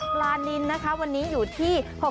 ปลานินนะคะวันนี้อยู่ที่